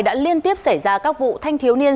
đã liên tiếp xảy ra các vụ thanh thiếu niên